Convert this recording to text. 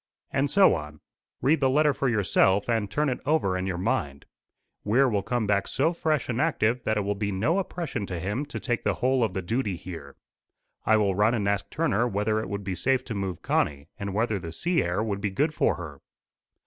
And so on Read the letter for yourself, and turn it over in your mind. Weir will come back so fresh and active that it will be no oppression to him to take the whole of the duty here. I will run and ask Turner whether it would be safe to move Connie, and whether the sea air would be good for her."